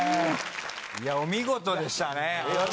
いや、お見事でしたね。